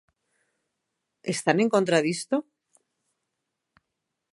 ¿Están en contra disto?